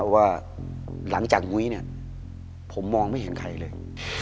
ว่าหลังจากมุ้ยเนี่ยผมมองไม่เห็นใครเลย